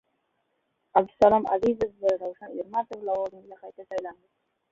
Abdusalom Azizov va Ravshan Ermatov lavozimiga qayta saylandi